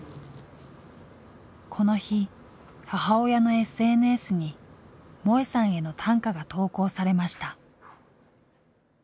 この日母親のＳＮＳに萌さんへの短歌が投稿されました。